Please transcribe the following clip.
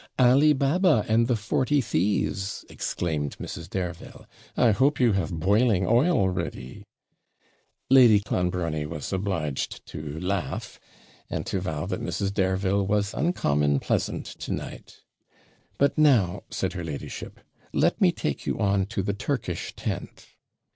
'Ali Baba and the forty thieves!' exclaimed Mrs. Dareville; 'I hope you have boiling oil ready!' Lady Clonbrony was obliged to laugh, and to vow that Mrs. Dareville was uncommon pleasant to night. 'But now,' said her ladyship, 'let me take you on to the Turkish tent.'